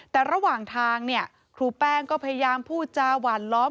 แต่ระหว่างทางเนี่ยครูแป้งก็พยายามพูดจาหวานล้อม